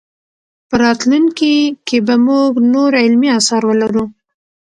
په راتلونکي کې به موږ نور علمي اثار ولرو.